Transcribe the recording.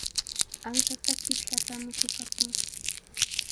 Ankaqa chipshatami suqakun.